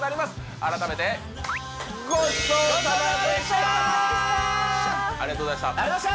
改めてありがとうございました